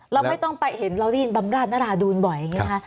เราไม่ต้องไปเห็นเราได้ยินบำราชนราดูนบ่อยอย่างนี้นะคะ